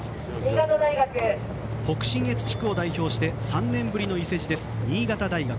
北信越地区を代表して３年ぶりの伊勢路です新潟大学。